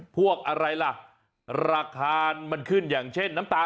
พวกอะไรล่ะราคามันขึ้นอย่างเช่นน้ำตาล